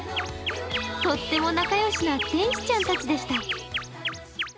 とっても仲良しの天使ちゃんたちでした。